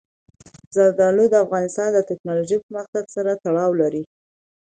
زردالو د افغانستان د تکنالوژۍ پرمختګ سره تړاو لري.